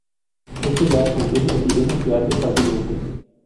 Este gas contiene etileno; que arde fácilmente.